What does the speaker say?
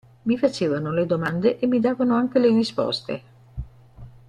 Mi facevano le domande e mi davano anche le risposte".